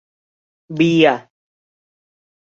เบียร์ !